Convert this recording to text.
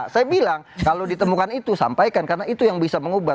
saya bilang kalau ditemukan itu sampaikan karena itu yang bisa mengubah